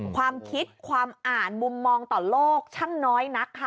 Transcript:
ความคิดความอ่านมุมมองต่อโลกช่างน้อยนักค่ะ